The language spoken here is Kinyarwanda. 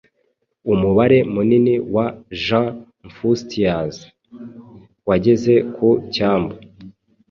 umubare munini wa "jean fustians" wageze ku cyambu